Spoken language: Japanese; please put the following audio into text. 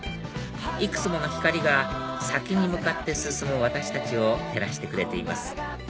いくつもの光が先に向かって進む私たちを照らしてくれています